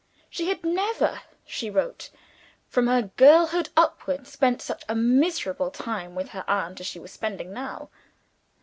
She had never (she wrote), from her girlhood upward, spent such a miserable time with her aunt as she was spending now.